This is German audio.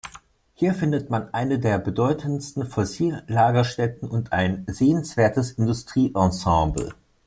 Hier findet man eine der bedeutendsten Fossillagerstätten und ein sehenswertes Industrie-Ensemble.